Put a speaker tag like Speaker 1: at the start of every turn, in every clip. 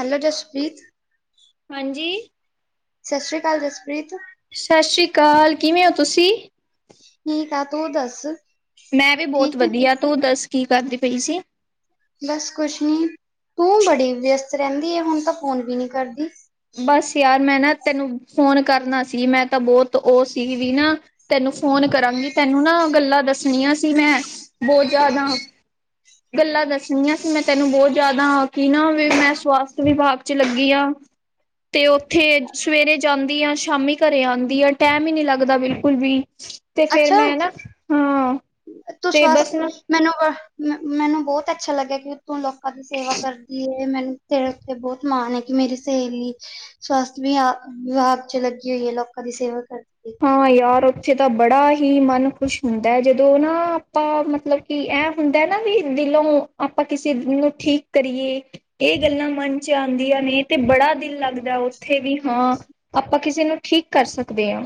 Speaker 1: Hello Jaspreet.
Speaker 2: ਹਾਂਜੀ
Speaker 1: ਸਤਿ ਸ਼੍ਰੀ ਅਕਾਲ ਜਸਪ੍ਰੀਤ
Speaker 2: ਸਤਿ ਸ਼੍ਰੀ ਅਕਾਲ ਕਿਵੇਂ ਹੋ ਤੁਸੀਂ
Speaker 1: ਠੀਕ ਆ ਤੂੰ ਦੱਸ
Speaker 2: ਮੈਂ ਵੀ ਬਹੁਤ
Speaker 1: ਠੀਕ ਐ?
Speaker 2: ਵਧੀਆ ਤੂੰ ਦੱਸ ਕੀ ਕਰਦੀ ਪਈ ਸੀ
Speaker 1: ਬਸ ਕੁਛ ਨੀ ਤੂੰ ਬੜੀ ਵਿਅਸਤ ਰਹਿੰਦੀ ਹੈ ਹੁਣ ਤਾਂ ਫੋਨ ਵੀ ਨੀ ਕਰਦੀ
Speaker 2: ਬਸ ਯਾਰ ਮੈਂ ਨਾ ਤੈਨੂੰ ਫੋਨ ਕਰਨਾ ਸੀ ਮੈਂ ਤਾਂ ਬਹੁਤ ਉਹ ਸੀ ਵੀ ਨਾ ਤੈਨੂੰ ਫੋਨ ਕਰਾਂਗੀ ਤੈਨੂੰ ਨਾ ਗੱਲਾਂ ਦੱਸਣੀਆਂ ਸੀ ਮੈਂ ਬਹੁਤ ਜ਼ਿਆਦਾ ਗੱਲਾਂ ਦੱਸਣੀਆਂ ਸੀ ਮੈਂ ਤੈਨੂੰ ਬਹੁਤ ਜ਼ਿਆਦਾ ਕਿ ਨਾ ਮੈਂ ਸਵਾਸਥ ਵਿਭਾਗ ਚ ਲੱਗੀ ਆਾਂ ਤੇ ਉੱਥੇ ਸਵੇਰੇ ਜਾਂਦੀ ਆ ਸ਼ਾਮੀ ਘਰੇ ਆਉਂਦੀ ਆ ਟਾਈਮ ਹੀ ਨਹੀਂ ਲੱਗਦਾ ਬਿਲਕੁਲ ਵੀ ਤੇ ਫੇਰ
Speaker 1: ਅੱਛਾ,
Speaker 2: ਮੈਂ ਨਾ ਹਮਮ
Speaker 1: ਤੂੰ
Speaker 2: ਤੇ
Speaker 1: ਸਵਸਥ
Speaker 2: ਬਸ ਨਾ
Speaker 1: ਮੈਨੂੰ ਮੈਨੂੰ ਬਹੁਤ ਅੱਛਾ ਲੱਗਿਆ ਕਿ ਉਤੋਂ ਲੋਕਾਂ ਦੀ ਸੇਵਾ ਕਰਦੀ ਮੈਨੂੰ ਤੇਰੇ ਉੱਤੇ ਬਹੁਤ ਮਾਣ ਹੈ ਕਿ ਮੇਰੀ ਸਹੇਲੀ ਸਵਸਥ ਵਿ ਵਿਭਾਗ ਚ ਲੱਗੀ ਹੋਈ ਹੈ ਲੋਕਾਂ ਦੀ ਸੇਵਾ ਕਰਦੀ ਪਿਏ
Speaker 2: ਹਾਂ ਯਾਰ ਉੱਥੇ ਤਾਂ ਬੜਾ ਹੀ ਮਨ ਖੁਸ਼ ਹੁੰਦਾ ਹੈ ਜਦੋਂ ਨਾ ਆਪਾਂ ਮਤਲਬ ਕਿ ਇਹ ਹੁੰਦਾ ਨਾ ਵੀ ਦਿਲੋਂ ਆਪਾਂ ਕਿਸੇ ਨੂੰ ਠੀਕ ਕਰੀਏ ਇਹ ਗੱਲਾਂ ਮਨ ਚ ਆਉਂਦੀਆਂ ਨੇ ਤੇ ਬੜਾ ਦਿਲ ਲੱਗਦਾ ਉੱਥੇ ਵੀ ਹਾਂ ਆਪਾਂ ਕਿਸੇ ਨੂੰ ਠੀਕ ਕਰ ਸਕਦੇ ਹਾਂ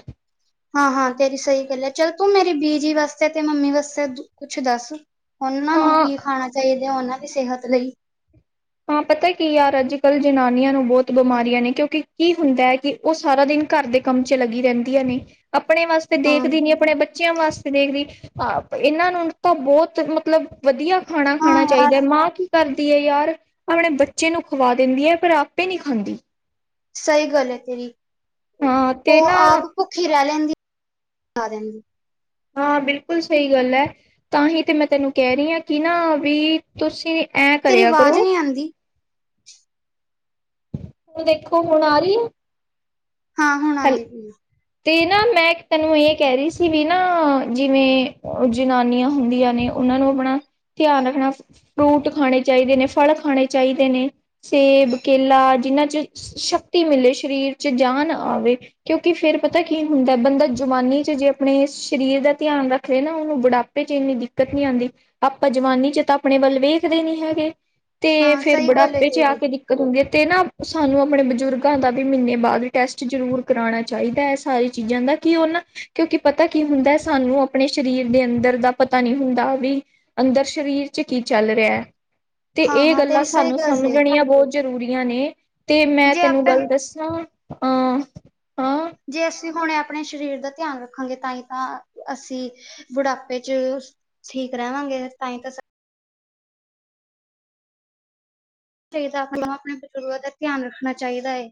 Speaker 1: ਹਾਂ ਹਾਂ ਤੇਰੀ ਸਹੀ ਗੱਲ ਹੈ ਚੱਲ ਤੂੰ ਮੇਰੀ ਬੀਜੀ ਵਾਸਤੇ ਤੇ ਮੰਮੀ ਵਾਸਤੇ ਕੁਛ ਦੱਸ ਉਹਨਾਂ ਨੂੰ
Speaker 2: ਹਾਂ
Speaker 1: ਕੀ ਖਾਣਾ ਚਾਹੀਦਾ ਹੈ ਉਹਨਾਂ ਦੀ ਸਿਹਤ ਲਈ
Speaker 2: ਹਾਂ ਪਤਾ ਕੀ ਯਾਰ ਅੱਜ ਕੱਲ੍ਹ ਜਨਾਨੀਆਂ ਨੂੰ ਬਹੁਤ ਬਿਮਾਰੀਆਂ ਨੇ ਕਿਉਂਕਿ ਕੀ ਹੁੰਦਾ ਹੈ ਕਿ ਉਹ ਸਾਰਾ ਦਿਨ ਘਰ ਦੇ ਕੰਮ ਚ ਲੱਗੀ ਰਹਿੰਦੀਆਂ ਨੇ ਆਪਣੇ ਵਾਸਤੇ
Speaker 1: ਹਾਂ,
Speaker 2: ਦੇਖਦੀ ਨੀ ਆਪਣੇ ਬੱਚਿਆਂ ਵਾਸਤੇ ਦੇਖਦੀ ਹ ਇਹਨਾਂ ਨੂੰ ਤਾਂ ਬਹੁਤ ਮਤਲਬ ਵਧੀਆ ਖਾਣਾ
Speaker 1: ਹਾਂ
Speaker 2: ਖਾਣਾ
Speaker 1: ਯਾਰ
Speaker 2: ਚਾਹੀਦਾ ਹੈ ਮਾਂ ਕੀ ਕਰਦੀ ਹੈ ਯਾਰ ਆਪਣੇ ਬੱਚੇ ਨੂੰ ਖਵਾ ਦਿੰਦੀ ਹੈ ਪਰ ਆਪੇ ਨਹੀਂ ਖਾਂਦੀ
Speaker 1: ਸਹੀ ਗੱਲ ਹੈ ਤੇਰੀ
Speaker 2: ਹਾਂ ਤੇ ਨਾ
Speaker 1: ਉਹ ਆਪ ਭੁੱਖੀ ਰਹਿ ਲੈਂਦੀ ਲ ਦਦੀ
Speaker 2: ਹਾਂ ਬਿਲਕੁਲ ਸਹੀ ਗੱਲ ਹੈ ਤਾਂ ਹੀ ਤੇ ਮੈਂ ਤੈਨੂੰ ਕਹਿ ਰਹੀ ਹਾਂ ਕਿ ਨਾ ਵੀ ਤੁਸੀਂ ਐਂ
Speaker 1: ਤੇਰੀ
Speaker 2: ਕਰਿਆ
Speaker 1: ਆਵਾਜ਼
Speaker 2: ਕਰੋ
Speaker 1: ਨਹੀਂ ਆਂਦੀ
Speaker 2: ਹੁਣ ਦੇਖੋ ਹੁਣ ਆ ਰਹੀ ਆ
Speaker 1: ਹਾਂ ਹੁਣ ਆਉਂਦੀ ਪਏ
Speaker 2: ਤੇ ਨਾ ਮੈਂ ਤੈਨੂੰ ਇਹ ਕਹਿ ਰਹੀ ਸੀ ਵੀ ਨਾ ਜਿਵੇਂ ਜਨਾਨੀਆਂ ਹੁੰਦੀਆਂ ਨੇ ਉਹਨਾਂ ਨੂੰ ਆਪਣਾ ਧਿਆਨ ਰੱਖਣਾ ਫਰੂਟ ਖਾਣੇ ਚਾਹੀਦੇ ਨੇ ਫਲ ਖਾਣੇ ਚਾਹੀਦੇ ਨੇ ਸੇਬ ਕੇਲਾ ਜਿਹਨਾਂ ਚ ਸ਼ਕਤੀ ਮਿਲੇ ਸਰੀਰ ਚ ਜਾਨ ਆਵੇ ਕਿਉਂਕਿ ਫੇਰ ਪਤਾ ਕੀ ਹੁੰਦਾ ਬੰਦਾ ਜਵਾਨੀ ਚ ਜੇ ਆਪਣੇ ਸਰੀਰ ਦਾ ਧਿਆਨ ਰੱਖਦੇ ਨਾ ਉਹਨੂੰ ਬੁਢਾ ਚ ਇੰਨੀ ਦਿੱਕਤ ਨੀ ਆਉਂਦੀ ਆਪਾਂ ਜਵਾਨੀ ਚ ਤਾਂ ਆਪਣੇ ਵੱਲ ਵੇਖਦੇ ਨੀ ਹੈਗੇ ਤੇ
Speaker 1: ਹਾਂ
Speaker 2: ਫੇਰ
Speaker 1: ਸਹੀ ਗੱਲ ਏ
Speaker 2: ਬੁਢਾਪੇ ਚ ਆ
Speaker 1: ਤੇਰੀ
Speaker 2: ਦਿਕਤ ਦਿਖਤ ਤੇ ਨਾ ਸਾਨੂੰ ਆਪਣੇ ਬਜ਼ੁਰਗਾਂ ਦਾ ਵੀ ਮਹੀਨੇ ਬਾਅਦ ਟੈਸਟ ਜ਼ਰੂਰ ਕਰਾਉਣਾ ਚਾਹੀਦਾ ਹੈ ਸਾਰੀ ਚੀਜ਼ਾਂ ਦਾ ਕਿ ਉਹ ਨਾ ਕਿਉਂਕਿ ਪਤਾ ਕੀ ਹੁੰਦਾ ਸਾਨੂੰ ਆਪਣੇ ਸਰੀਰ ਦੇ ਅੰਦਰ ਦਾ ਪਤਾ ਨਹੀਂ ਹੁੰਦਾ ਵੀ ਅੰਦਰ ਸਰੀਰ ਚ ਕੀ ਚੱਲ ਰਿਹਾ ਹੈ ਤੇ ਇਹ
Speaker 1: ਹਾਂ-ਹਾਂ
Speaker 2: ਗੱਲਾਂ
Speaker 1: ਤੇਰੀ ਸਹੀ
Speaker 2: ਸਾਨੂੰ
Speaker 1: ਗੱਲ ਏ
Speaker 2: ਸਮਝਣੀਆਂ ਬਹੁਤ ਜ਼ਰੂਰੀਆਂ ਨੇ ਤੇ ਮੈਂ
Speaker 1: ਜੇ
Speaker 2: ਤੈਨੂੰ
Speaker 1: ਆਪੇ
Speaker 2: ਗੱਲ ਦੱਸਾਂ ਅਹ ਹਾਂ ਅਹ ਹਾਂ
Speaker 1: ਜੇ ਅਸੀਂ ਹੁਣੇ ਆਪਣੇ ਸਰੀਰ ਦਾ ਧਿਆਨ ਰੱਖਾਂਗੇ ਤਾਂ ਹੀ ਤਾਂ ਅਸੀਂ ਬੁਢਾਪੇ ਚ ਠੀਕ ਰਹਿਵਾਂਗੇ ਤਾਂਹੀ ਤਾਂ ਚਾਹੀਦਾ ਆਪਾਂ ਨੂੰ ਆਪਣੇ ਬਜ਼ੁਰਗਾਂ ਦਾ ਧਿਆਨ ਰੱਖਣਾ ਚਾਹੀਦਾ ਹੈ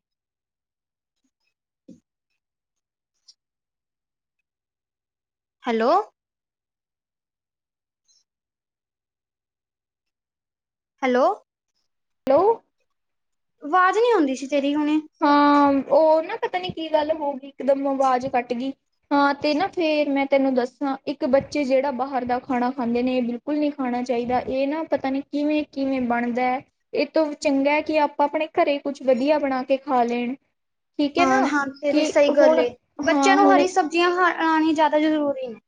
Speaker 1: ਹੈਲੋ ਹੈਲੋ
Speaker 2: ਹੈਲੋ
Speaker 1: ਵਾਜ਼ ਨਹੀਂ ਆਉਂਦੀ ਸੀ ਤੇਰੀ ਹੁਣੇ
Speaker 2: ਹਾਂ, ਓ ਨਾ ਪਤਾ ਨੀ ਕੀ ਗੱਲ ਹੋ ਗੀ ਇਕਦਮ ਆਵਾਜ਼ ਕੱਟ ਗੀ। ਹਾਂ ਤੇ ਨਾ ਫੇਰ ਮੈਂ ਤੈਨੂੰ ਦੱਸਾਂ ਇੱਕ ਬੱਚੇ ਜੇੜਾ ਬਾਹਰ ਦਾ ਖਾਣਾ ਖਾਂਦੇ ਨੇ ਏ ਬਿਲਕੁ ਬਿਲਕੁਲ ਨੀ ਖਾਣਾ ਚਾਈਦਾ ਏ ਨਾ ਪਤਾ ਨੀ ਕਿਵੇਂ-ਕਿਵੇਂ ਬਣਦੈ। ਇਹ ਤੋਂ ਵੀ ਚੰਗੈ ਕਿ ਆਪਾਂ ਅਪਣੇ ਘਰੇ ਕੁਛ ਵਧੀਆ ਬਣਾ ਕੇ ਖਾ ਲੇਣ।
Speaker 1: ਹਾਂ ਹਾਂ, ਤੇਰੀ ਸਹੀ ਗੱਲ ਏ। ਬੱਚਿਆਂ
Speaker 2: ਹਾਂ
Speaker 1: ਨੂੰ
Speaker 2: ਹੁਣ
Speaker 1: ਹਰੀ ਸਬਜ਼ੀਆਂ ਖਾ ਆਣੀ ਜੈਦਾ ਜ਼ਰੂਰੀ ਨੇ।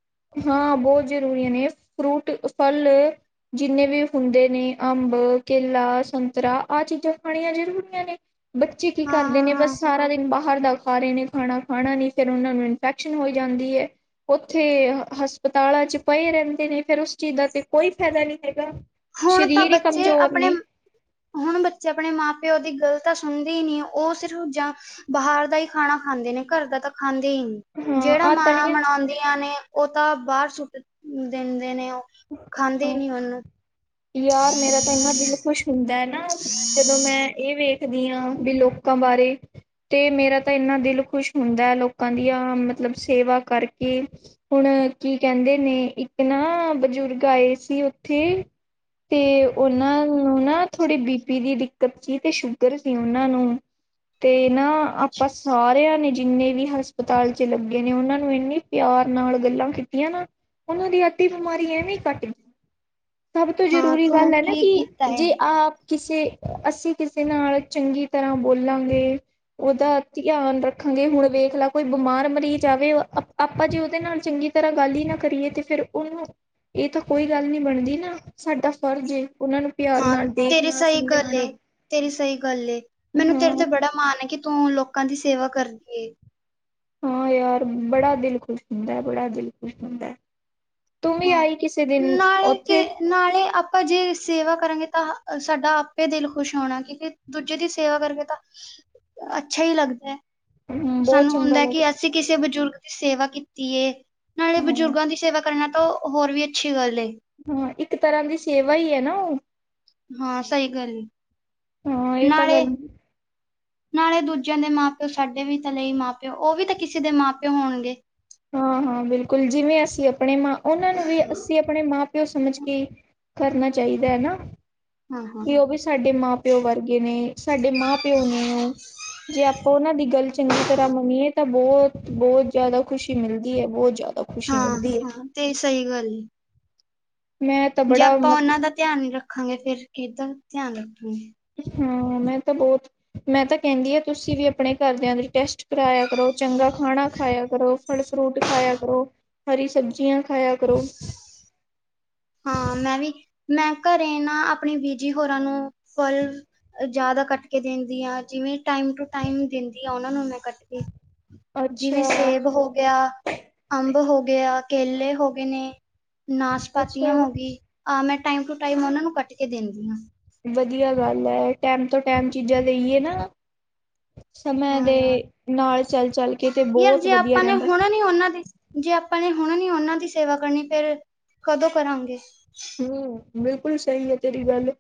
Speaker 2: ਹਾਂ, ਬੋਤ ਜ਼ਰੂਰੀ ਨੇ ਫਰੂਟ, ਫਲ ਏ ਜਿੰਨੇ ਵੀ ਹੁੰਦੇ ਨੇ ਅੰਬ, ਕੇਲਾ, ਸੰਤਰਾ ਆਹ ਚੀਜ਼ਾਂ ਖਾਣੀਆਂ ਜ਼ਰੂਰੀਆਂ ਨੇ। ਬੱਚੇ ਕੀ ਕਰਦੇ ਨੇ
Speaker 1: ਹਾਂ-ਹਾਂ-ਹਾਂ,
Speaker 2: ਬਸ ਸਾਰਾ ਦਿਨ ਬਾਹਰ ਦਾ ਖਾ ਰਏ ਨੇ ਖਾਣਾ ਖਾਣਾ ਨੀ ਫੇਰ ਓਨਾ ਨੂੰ ਇਨਫੈਕਸ਼ਨ ਹੋਈ ਜਾਂਦੀ ਏ। ਓਥੇ ਹਸਪਤਾਲਾਂ ਚ ਪਏ ਰੈੰਦੇ ਨੇ ਫੇਰ ਉਸ ਚੀਜ਼ ਦਾ ਤੇ ਕੋਈ ਫੈਦਾ ਨੀ ਹੈਗਾ।
Speaker 1: ਹੁਣ ਤਾਂ
Speaker 2: ਸਰੀਰ ਹੀ
Speaker 1: ਬੱਚੇ
Speaker 2: ਕਮਜ਼ੋਰ
Speaker 1: ਅਪਣੇ
Speaker 2: ਨੇ
Speaker 1: ਹੁਣ ਬੱਚੇ ਅਪਣੇ ਮਾਂ-ਪਿਓ ਦੀ ਗੱਲ ਤਾਂ ਸੁਣਦੇ ਈ ਨੀ ਓ ਸਿਰਫ ਜਾਂ ਬਾਹਰ ਦਾ ਹੀ ਖਾਣਾ ਖਾਂਦੇ ਨੇ ਘਰ ਦਾ ਤਾਂ ਖਾਂਦੇ ਈ ਨੀ।
Speaker 2: ਹਾਂ
Speaker 1: ਜੇੜਾ
Speaker 2: ਆਹ
Speaker 1: ਮਾਂ
Speaker 2: ਤਲੀਆਂ
Speaker 1: ਬਣਾਉਂਦੀਆ ਨੇ ਓਹ ਤਾਂ ਬਾਰ ਸੁੱਟ ਦੇਦੇ ਨੇ ਓ। ਖਾਂਦੇ ਈ
Speaker 2: ਹਾਂ
Speaker 1: ਨੀ ਉਹਨੂੰ।
Speaker 2: ਯਾਰ ਮੇਰਾ ਤਾਂ ਇੰਨਾ ਦਿਲ ਖੁਸ਼ ਹੁੰਦੈ ਨਾ ਜਦੋਂ ਮੈਂ ਏਹ ਵੇਖ ਦੀਆਂ ਬੀ ਲੋਕਾਂ ਬਾਰੇ ਤੇ ਮੇਰਾ ਤਾਂ ਇੰਨਾ ਦਿਲ ਖੁਸ਼ ਹੁੰਦੈ, ਲੋਕਾਂ ਦੀਆਂ ਮਤਲਬ ਸੇਵਾ ਕਰਕੇ। ਹੁਣ ਕੀ ਕਹਿੰਦੇ ਨੇ ਇੱਕ ਨਾ ਬਜ਼ੁਰਗ ਆਏ ਸੀ ਉਥੇ ਤੇ ਓਨਾਂ ਨੂੰ ਨਾ ਥੋੜ੍ਹੀ ਬੀ ਪੀ ਦੀ ਦਿੱਕਤ ਸੀ ਤੇ ਸ਼ੂਗਰ ਸੀ ਓਨਾਂ ਨੂੰ। ਤੇ ਨਾ
Speaker 1: ਅੱਛਾ
Speaker 2: ਆਪਾਂ ਸਾਰਿਆਂ ਨੇ ਜਿੰਨੇ ਵੀ ਹਸਪਤਾਲ 'ਚ ਲੱਗੇ ਨੇ ਓਨਾਂ ਨੂੰ ਇੰਨੀ ਪਿਆਰ ਨਾਲ ਗੱਲਾਂ ਕੀਤੀਆਂ ਨਾ ਓਨਾਂ ਦੀ ਅੱਧੀ ਬਿਮਾਰੀ ਐਵੇਂ ਈ ਕਟ ਗੀ। ਤੇ
Speaker 1: ਹਾਂ
Speaker 2: ਜਰੂਰੀ
Speaker 1: ਤੂੰ
Speaker 2: ਗੱਲ ਐ ਨਾ
Speaker 1: ਠੀਕ
Speaker 2: ਕਿ
Speaker 1: ਕੀਤਾ ਏ।
Speaker 2: ਜੇ ਆਪ ਕਿਸੇ ਅਸੀਂ ਕਿਸੇ ਨਾਲ ਚੰਗੀ ਤਰ੍ਹਾਂ ਬੋਲਾਂਗੇ, ਓਦਾ ਧਿਆਨ ਰੱਖ ਰਖਾਂਗੇ ਹੁਣ ਵੇਖ ਲੈ ਕੋਈ ਬਮਾਰ ਮਰੀਜ਼ ਆਵੇ ਅਪ ਆਪਾਂ ਜੇ ਓਦੇ ਨਾਲ ਚੰਗੀ ਤਰ੍ਹਾਂ ਗੱਲ ਈ ਨਾ ਕਰੀਏ ਤੇ ਫਿਰ ਓਨੂੰ ਏ ਤਾਂ ਕੋਈ ਗੱਲ ਨੀ ਬਣਦੀ ਨਾ ਸਾਡਾ ਫਰਜ਼ ਏ ਓਨਾਂ ਨੂੰ ਪਿਆਰ
Speaker 1: ਹਾਂ,
Speaker 2: ਨਾਲ
Speaker 1: ਤੇਰੇ
Speaker 2: ਦੇਖਣਾ
Speaker 1: ਸਹੀ ਗੱਲ ਏ।
Speaker 2: ਸਮਝਾਣਾ
Speaker 1: ਤੇਰੀ ਸਹੀ ਗੱਲ ਏ। ਮੈਨੂੰ ਤੇਰੇ ਤੇ
Speaker 2: ਹਾਂ
Speaker 1: ਬੜਾ ਮਾਣ ਐ ਕਿ ਤੂੰ ਲੋਕਾਂ ਦੀ ਸੇਵਾ ਕਰਦੀ ਏ।
Speaker 2: ਹਾਂ ਯਾਰ ਬੜਾ ਦਿਲ ਖੁਸ਼ ਹੁੰਦੈ, ਬੜਾ ਦਿਲ ਖੁਸ਼ ਹੁੰਦੈ।
Speaker 1: ਹਾਂ, ਨਾਲੇ ਕਿ
Speaker 2: ਉੱਥੇ
Speaker 1: ਨਾਲੇ ਅਪ ਅਪਾਂ ਜੇ ਸੇਵਾ ਕਰਾਂਗੇ ਤਾਂ ਸਾਡਾ ਆਪੇ ਦਿਲ ਖੁਸ਼ ਹੋਣਾ, ਕਿਉਕਿ ਦੂਜੇ ਦੀ ਸੇਵਾ ਕਰਕੇ ਤਾਂ ਅੱਛਾ ਹੀ ਲੱਗਦੈ।
Speaker 2: ਬਹੁਤ
Speaker 1: ਸਾਨੂੰ
Speaker 2: ਚੰਗਾ
Speaker 1: ਹੁੰਦੈ ਕਿ
Speaker 2: ਲੱਗਦਾ
Speaker 1: ਅਸੀਂ ਕਿਸੇ ਬਜ਼ੁਰਗ ਦੀ ਸੇਵਾ ਕੀਤੀ ਏ। ਨਾਲੇ
Speaker 2: ਹਾਂ
Speaker 1: ਬਜ਼ੁਰਗਾਂ ਦੀ ਸੇਵਾ ਕਰਨਾ ਤਾਂ ਹੋਰ ਵੀ ਅੱਛੀ ਗੱਲ ਏ।
Speaker 2: ਹਾਂ, ਇੱਕ ਤਰ੍ਹਾਂ ਦੀ ਸੇਵਾ ਹੀ ਐ ਨਾ ਉ।
Speaker 1: ਹਾਂ, ਸਹੀ ਗੱਲ ਏ
Speaker 2: ਹਾਂ, ਏਹ ਤਾਂ
Speaker 1: ਨਾਲੇ
Speaker 2: ਗੱਲ
Speaker 1: ਨਾਲੇ ਦੂਜਿਆਂ ਦੇ ਮਾਂ-ਪਿਓ ਸਾਡੇ ਵੀ ਤਾਂ ਲਈ ਮਾਂ-ਪਿਓ ਓ ਵੀ ਤਾਂ ਕਿਸੇ ਦੇ ਮਾਂ-ਪਿਓ ਹੋਣਗੇ।
Speaker 2: ਹਾਂ ਹਾਂ, ਬਿਲਕੁਲ ਜਿਵੇਂ ਅਸੀਂ ਅਪਣੇ ਮਾਂ ਓਨਾਂ ਨੂੰ ਵੀ ਅਸੀਂ ਅਪਣੇ ਮਾਂ-ਪਿਓ ਸਮਝ ਕੇ ਕਰਨਾ ਚਾਹੀਦਾ ਹੈਨਾ।
Speaker 1: ਹਾਂ ਹਾਂ
Speaker 2: ਬੀ ਓਹ ਵੀ ਸਾਡੇ ਮਾਂ ਪਿਓ ਵਰਗੇ ਨੇ ਸਾਡੇ ਮਾਂ-ਪਿਓ ਨੇ ਓ। ਜੇ ਆਪਾਂ ਓਨਾਂ ਦੀ ਗੱਲ ਚੰਗੀ ਤਰ੍ਹਾਂ ਮੰਨੀਏ ਤਾਂ ਬੌਤ ਬੌਤ ਜੈਦਾ ਖੁਸ਼ੀ ਮਿਲਦੀ ਏ, ਬੌਤ ਜੈਦਾ।
Speaker 1: ਹਾਂ ਹਾਂ, ਤੇ ਸਹੀ ਗੱਲ ਏ।
Speaker 2: ਮੈਂ ਤਾਂ
Speaker 1: ਜੇ
Speaker 2: ਬੜਾ
Speaker 1: ਅਪਾਂ
Speaker 2: ਮਤ
Speaker 1: ਓਨਾਂ ਦਾ ਧਿਆਨ ਨੀ ਰੱਖਾਂਗੇ, ਫੇਰ ਕਿੱਦਾਂ ਧਿਆਨ ਰੱਖਾਂਗੇ।
Speaker 2: ਹਾਂ, ਮੈਂਨ ਤਾਂ ਬੌਤ ਮੈਂ ਤਾਂ ਕੈੰਦੀ ਆ ਤੁਸੀਂ ਵੀ ਅਪਣੇ ਘਰਦਿਆਂ ਦੇ ਟੈਸਟ ਕਰਾਇਆ ਕਰੋ, ਚੰਗਾ ਖਾਣਾ ਖਾਇਆ ਕਰੋ, ਫਲ-ਫਰੂਟ ਖਾਇਆ ਕਰੋ, ਹਰੀ ਸਬਜ਼ੀਆਂ ਖਾਇਆ ਕਰੋ।
Speaker 1: ਹਾਂ ਮੈਂ ਵੀ, ਮੈਂ ਘਰੇ ਨਾ ਆਪਣੀ ਬੀਜੀ ਹੋਰਾਂ ਨੂੰ ਫਲ ਅ ਜਾਦਾ ਕੱਟ ਕੇ ਦੇੰਦੀ ਆ ਜਿਵੇਂ ਟਾਈਮ ਟੂ ਟਾਈਮ ਦਿੰਦੀ ਆ, ਉਹਨਾਂ ਨੂੰ ਮੈਂ ਕੱਟ ਕੇ ਜਿਵੇਂ
Speaker 2: ਅੱਛਾ
Speaker 1: ਸੇਬ ਹੋ ਗਿਆ। ਅੰਬ ਹੋਗਿਆ ਕੇਲੇ ਹੋ ਗਏ ਨੇ, ਨਰ ਚਪਾਤੀਆਂ
Speaker 2: ਅੱਛਾ
Speaker 1: ਹੋ ਗਈ, ਆਹ ਮੈਂ ਟਾਈਮ ਟੂ ਟਾਈਮ ਉਹਨਾ ਨੂੰ ਕੱਟ ਕੇ ਦਿੰਦੀ ਹਾਂ।
Speaker 2: ਵਧੀਆ ਗੱਲ ਹੈ, ਟੈਮ ਤੋਂ ਟੈਮ ਚੀਜ਼ਾਂ ਦੇਈਏ ਨਾ। ਸਮੇ
Speaker 1: ਹਾਂ
Speaker 2: ਦੇ
Speaker 1: ਯਾਰ
Speaker 2: ਨਾਲ ਚੱਲ-ਚੱਲ ਕੇ ਤੇ
Speaker 1: ਯਾਰ
Speaker 2: ਬਹੁਤ
Speaker 1: ਜੇ
Speaker 2: ਵਧੀਆ
Speaker 1: ਆਪਾਂ ਨੇ
Speaker 2: ਰਹਿੰਦਾ।
Speaker 1: ਹੁਣ ਉਹਨਾਂ ਦੀ, ਜੇ ਆਪਾਂ ਨੇ ਹੁਣ ਨੀ ਉਹਨਾਂ ਦੀ ਸੇਵਾ ਕਰਨੀ ਫੇਰ ਕਦੋਂ ਕਰਾਂਗੇ।
Speaker 2: ਹੂੰ, ਬਿਲਕੁਲ ਸਹੀ ਹੈ ਤੇਰੀ ਗੱਲ,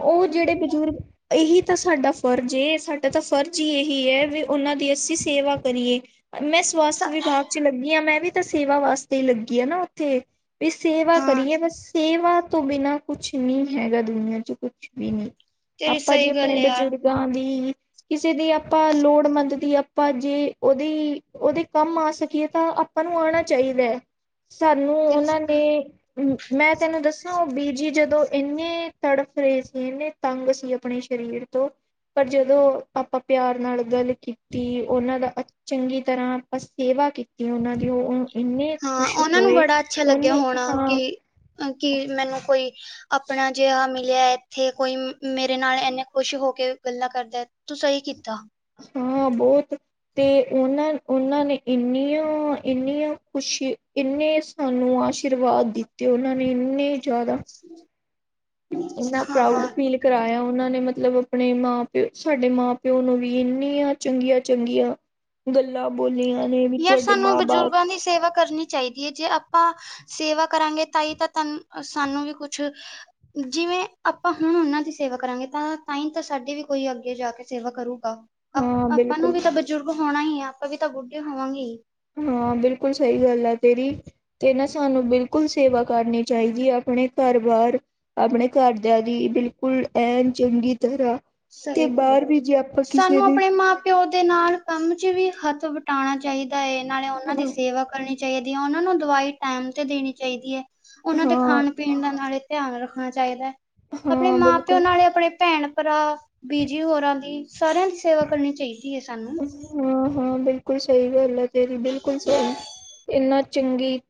Speaker 2: ਉਹ ਜਿਹੜੇ ਬਜ਼ੁਰਗ ਇਹੀ ਤਾਂ ਸਾਡਾ ਫਰਜ਼ ਏ, ਸਾਡਾ ਤਾਂ ਫਰਜ਼ ਹੀ ਇਹੀ ਹੈ ਵੀ ਉਹਨਾਂ ਦੀ ਅਸੀਂ ਸੇਵਾ ਕਰੀਏ। ਮੈਂ ਸਵਾਸਥ ਵਿਭਾਗ ਚ ਲੱਗੀ ਹਾਂ, ਮੈਂ ਵੀ ਤਾਂ ਸੇਵਾ ਵਾਸਤੇ ਹੀ ਲੱਗੀ ਆ ਨਾ ਉੱਥੇ ਵੀ ਸੇਵਾ
Speaker 1: ਹਾਂ
Speaker 2: ਕਰੀਏ ਬਸ ਸੇਵਾ ਤੋਂ ਬਿਨਾਂ ਕੁਛ ਨਹੀਂ ਹੈਗਾ, ਦੁਨੀਆਂ ਚ ਕੁਛ ਵੀ ਨਹੀਂ।
Speaker 1: ਤੇਰੀ
Speaker 2: ਆਪਾਂ
Speaker 1: ਸਹੀ
Speaker 2: ਜੀ
Speaker 1: ਗੱਲ
Speaker 2: ਆਪਣੇ
Speaker 1: ਹੈ ਯਾਰ
Speaker 2: ਬਜ਼ੁਰਗਾਂ ਦੀ, ਕਿਸੇ ਦੀ ਆਪਾਂ ਲੋੜਮੰਦ ਦੀ ਆਪਾਂ ਜੇ ਉਹਦੇ-ਉਹਦੇ ਕੰਮ ਆ ਸਕੀਏ ਤਾਂ। ਆਪਾਂ ਨੂੰ ਆਉਣਾ ਚਾਹੀਦਾ ਹੈ, ਸਾਨੂੰ
Speaker 1: ਤੇਰੀ
Speaker 2: ਉਹਨਾਂ ਨੇ। ਮੈਂ ਤੈਨੂੰ ਦੱਸੋ ਉਹ ਬੀਜੀ ਜਦੋਂ ਇੰਨੇ ਤੜਫ ਤੜਫ ਰਹੇ ਸੀ ਇਨੇ ਤੰਗ ਸੀ ਆਪਣੇ ਸਰੀਰ ਤੋਂ ਪਰ ਜਦੋਂ ਆਪਾਂ ਪਿਆਰ ਨਾਲ ਗੱਲ ਕੀਤੀ, ਉਹਨਾਂ ਦਾ ਚੰਗੀ ਤਰ੍ਹਾਂ ਆਪਾਂ ਸੇਵਾ ਕੀਤੀ ਉਹਨਾਂ ਦੀ ਉਹ ਇੰਨੇ
Speaker 1: ਹਾਂ
Speaker 2: ਖੁਸ਼
Speaker 1: ਉਹਨਾਂ ਨੂੰ
Speaker 2: ਹੋਏ
Speaker 1: ਬੜਾ ਅੱਛਾ ਲੱਗਿਆ,
Speaker 2: ਉਹਨੇ
Speaker 1: ਹੋਣਾ ਕਿ
Speaker 2: ਹਾਂ
Speaker 1: ਅ ਕੀ ਮੈਨੂੰ ਕੋਈ ਆਪਣਾ ਜਿਹਾ ਮ ਮਿਲਿਆ ਇੱਥੇ ਕੋਈ ਮੇਰੇ ਨਾਲ ਇੰਨੇ ਖੁਸ਼ ਹੋ ਕੇ ਗੱਲਾਂ ਕਰਦਾ ਤੂੰ ਸਹੀ ਕੀਤਾ।
Speaker 2: ਹਾਂ ਬਹੁਤ ਤੇ ਉਹਨਾਂ-ਉਹਨਾਂ ਨੇ ਇੰਨੀਆਂ-ਇੰਨੀਆਂ ਖੁਸ਼ੀ ਇੰਨੇ ਸਾਨੂੰ ਆਸ਼ੀਰਵਾਦ ਦਿੱਤੇ ਉਹਨਾਂ ਨੇ ਇੰਨੇ ਜ਼ਿਆਦਾ
Speaker 1: ਟ
Speaker 2: ਇੰਨਾ ਪ੍ਰਊਡ ਫੀਲ ਕਰਾਇਆ ਉਹਨਾਂ ਨੇ ਮਤਲਬ ਆਪਣੇ ਮਾਂ ਪਿਓ ਸਾਡੇ ਮਾਂ ਪਿਓ ਨੂੰ ਵੀ ਇੰਨੀਆਂ ਚੰਗੀਆਂ-ਚੰਗੀਆਂ। ਗੱਲਾਂ ਬੋਲੀਆਂ ਨੇ ਵੀ
Speaker 1: ਯਾਰ
Speaker 2: ਤੁਹਾਡੇ
Speaker 1: ਸਾਨੂੰ
Speaker 2: ਮਾਂ ਬਾਪ
Speaker 1: ਬਜ਼ੁਰਗਾਂ ਸੇਵਾ ਕਰਨੀ। ਚਾਹੀਦੀ ਹੈ, ਜੇ ਆਪਾਂ ਸੇਵਾ ਕਰਾਂਗੇ, ਤਾਂ ਹੀ ਤਾਂ ਤ ਸਾਨੂੰ ਵੀ ਕੁਛ ਜਿਵੇਂ ਆਪਾਂ ਹੁਣ ਉਹਨਾਂ ਦੀ ਸੇਵਾ ਕਰਾਂਗੇ, ਤਾਂ-ਤਾਂ-ਤਾਂ ਸਾਡੀ ਵੀ ਕੋਈ ਅੱਗੇ ਜਾ ਕੇ ਸੇਵਾ ਕਰੁਗਾ
Speaker 2: ਹਾਂ
Speaker 1: ਆਪਾਂ ਨੂੰ
Speaker 2: ਬਿਲਕੁਲ
Speaker 1: ਵੀ ਤਾਂ ਬਜ਼ੁਰਗ ਹੋਣਾ ਹੀ ਹੈ ਆਪਾਂ ਵੀ ਤਾਂ ਬੁੱਢੇ ਹੋਵਾਂਗੇ ਹੀ।
Speaker 2: ਹਾਂ, ਬਿਲਕੁਲ ਸਈ ਗਾੱਲ ਆ ਤੇਰੀ। ਤੇ ਨਾ ਸਾਨੂੰ ਬਿਲਕੁਲ ਸੇਵਾ ਕਰਨੀ ਚਾਈਦੀ ਐ, ਅਪਣੇ ਘਾਰ ਬਾਰ ਆਪਣੇ ਘਾਰਦੇਆਂ ਦੀ ਬਿਲਕੁਲ ਐਨ, ਚੰਗੀ ਤਰਾ ਤੇ
Speaker 1: ਸਹੀ ਗੱਲ ਹੈ
Speaker 2: ਬਾਰ ਵੀ ਜੇ ਆਪਾਂ ਕਿਸੇ
Speaker 1: ਸਾਨੂੰ
Speaker 2: ਦੀ
Speaker 1: ਆਪਣੇ ਮਾਂ ਪਿਓ ਦੇ ਨਾਲ ਕਾੰਮ ਚ ਵੀ ਹਾੱਥ ਵਟਾਣਾ ਚਾਈਦਾ ਏ, ਨਾਲੇ ਓਨਾਂ ਦੀ ਸੇਵਾ ਕਰਨੀ ਚਾਈਦੀ ਐ, ਓਨਾਂ ਨੂੰ ਦਵਾਈ ਟੈਮ ਤੇ ਦੇਣੀ ਚਾਈਦੀ ਐ, ਓਨਾਂ ਦੇ
Speaker 2: ਹਾਂ
Speaker 1: ਖਾਨ ਪੀਨ ਦਾ ਨਾਲੇ ਧੇਆਨ ਰੱਖਨਾ ਚਾਈਦੈ, ਅਪਣੇ
Speaker 2: ਹਾਂ
Speaker 1: ਮਾਂ-ਪੇਓ
Speaker 2: ਬਿਲਕੁਲ
Speaker 1: ਨਾਲੇ ਅਪਣੇ ਭੈਣ-ਭਰਾ ਬੀਜੀ ਹੋਰਾਂ ਦੀ ਸਾਰੇਆਂ ਦੀ ਸੇਵਾ ਕਰਨੀ ਚਾਈਦੀ ਏ ਸਾਨੂੰ।
Speaker 2: ਹਾਂ-ਹਾਂ, ਬਿਲਕੁਲ ਸਈ ਗਾੱਲ ਐ ਤੇਰੀ ਬਿਲਕੁਲ ਸਈ, ਇੰਨਾ ਚੰਗੀ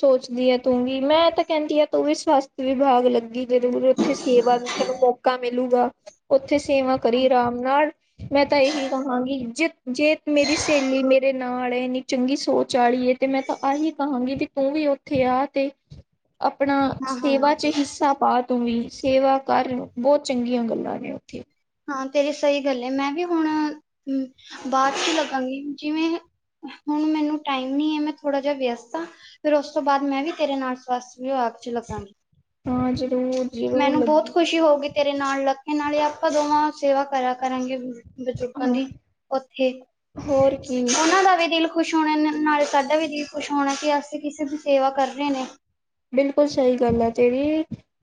Speaker 2: ਸੋਚਦੀ ਏ ਤੂੰ ਵੀ, ਮੈਂ ਤਾਂ ਕੈਂਦੀ ਆ ਤੂੰ ਵੀ ਸਵਾਸਥ ਵਿਭਾਗ ਲੱਗੀ, ਜਦੋਂ ਵੀ ਉੱਥੇ ਸੇਵਾ [unintelligible] ਕਾ ਮਿਲੂਗਾ, ਉੱਥੇ ਸੇਵਾ ਕਰੀਂ
Speaker 1: ਹਾਂ
Speaker 2: ਰਾਮ ਨਾਲ, ਮੈਂ ਤਾਂ ਏਹੀ ਕਹਾਂਗੀ, ਜਿਤ, ਜੇਤ ਮੇਰੀ ਸ੍ਹੇਲੀ ਮੇਰੇ ਨਾਲ ਨਾੜ ਏਨੀ ਚੰਗੀ ਸੋਚ ਆੜੀ ਏ, ਤੇ ਮੈਂ ਤਾਂ ਆਹੀ ਕਹਾਂਗੀ, ਵੀ ਤੂੰ ਵੀ ਉੱਥੇ ਆ ਤੇ ਅਪਣਾ
Speaker 1: ਹਾਂ
Speaker 2: ਸੇਵਾ ਚ ਹਿੱਸਾ ਪਾ ਤੂੰ ਵੀ ਸੇਵਾ ਕਾਰ, ਬੋਤ ਚੰਗੀਆਂ ਗੱਲਾਂ ਨੇ ਉੱਥੇ।
Speaker 1: ਹਾਂ ਤੇਰੀ ਸਈ ਗੱਲ ਏ, ਮੈਂ ਵੀ ਹੁਣ ਬਾਦ ਚ ਲੱਗਾਂਗੀ ਜਿਵੇਂ ਹੁਣ ਮੈਨੂੰ ਟਾਈਮ ਨੀ ਐ, ਮੈਂ ਥੋੜਾ ਜਾ ਵੇਅਸਤ ਆਂ। ਫੇਰ ਉਸ ਤੋਂ ਬਾਦ ਮੈਂ ਵੀ ਤੇਰੇ ਨਾਲ ਸਵੱਸਥ ਵਿਭਾਗ ਚ ਲੱਗਾਂਗੀ।
Speaker 2: ਹਾਂ, ਜਰੂਰ-ਜਰੂਰ
Speaker 1: ਮੈਨੂੰ
Speaker 2: ਲੱਗ
Speaker 1: ਬਹੁਤ ਖੁਸ਼ੀ ਹੋਉਗੀ ਤੇਰੇ ਨਾਲ ਲੱਗ ਕੇ, ਨਾਲੇ ਆਪਾਂ ਦੋਵਾਂ ਸੇਵਾ ਕਰੇਆ ਕਰਾਂਗੇ ਬਜੂਰਗਾਂ
Speaker 2: ਹਾਂ
Speaker 1: ਦੀ ਓਥੇ,
Speaker 2: ਹੋਰ ਕੀ
Speaker 1: ਓਨਾਂ ਦਾ ਵੀ ਦਿਲ ਖੁਸ਼ ਹੋਣਾ ਨ ਨਾਲੇ ਸਾਡਾ ਵੀ ਜੀ ਖੁਸ਼ ਹੋਣਾ ਕਿ ਅਸੀ ਕਿਸੇ ਦੀ ਸੇਵਾ ਕਰ ਰੇ ਨੇ।
Speaker 2: ਬਿਲਕੁਲ ਸਹੀ ਗੱਲ ਐ ਤੇਰੀ,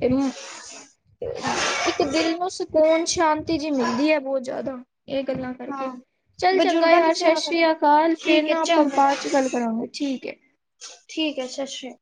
Speaker 2: [unintelligible] ਇੱਕ ਦਿਲ ਨੂੰ ਸ ਕੂਨ, ਸ਼ਾਂਤੀ ਜੀ ਮਿਲਦੀ ਏ ਬੋਤ ਜਾਦਾ, ਏ ਗੱਲਾਂ ਕਰਕੇ,
Speaker 1: ਹਾਂ
Speaker 2: ਚੱਲ ਚੰਗਾ
Speaker 1: ਬਜ਼ੁਰਗਾਂ ਦੀ
Speaker 2: ਯਾਰ
Speaker 1: ਸੇਵਾ ਕਰ
Speaker 2: ਸ਼ਸ੍ਰੀ ਅਕਾਲ ਫੇਰ
Speaker 1: ਠੀਕ ਹੈ
Speaker 2: ਨਾ ਆਪਾਂ
Speaker 1: ਚੰਗਾ
Speaker 2: ਬਾਦ ਚ ਗੱਲ ਕਰਾਂਗੇ, ਠੀਕ ਏ।
Speaker 1: ਠੀਕ ਸ਼ਸ਼੍ਰੀ